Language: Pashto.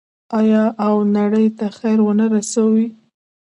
آیا او نړۍ ته خیر ورنه رسوي؟